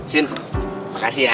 sin makasih ya